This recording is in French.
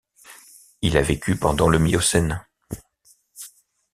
Il a vécu pendant le Miocène.